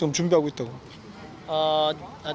tapi kita harus berhati hati